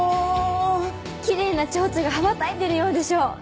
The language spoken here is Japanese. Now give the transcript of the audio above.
きれいな蝶々が羽ばたいてるようでしょ？